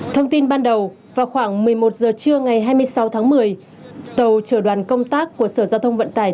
thông tin ban đầu vào khoảng một mươi một giờ trưa ngày hai mươi sáu tháng một mươi tàu chở đoàn công tác của sở giao thông vận tải